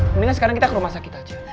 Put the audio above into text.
mendingan sekarang kita ke rumah sakit aja